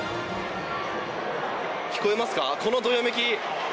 聞こえますか、このどよめき。